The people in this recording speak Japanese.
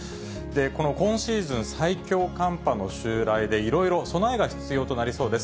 この今シーズン最強寒波の襲来で、いろいろ備えが必要となりそうです。